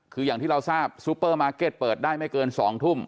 คืออย่างที่เราทราบซูเปอร์มาร์เก็ตเปิดได้ไม่เกิน๒ทุ่ม